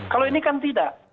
kalau ini kan tidak